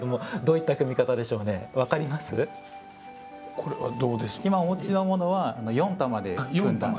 これはどうです？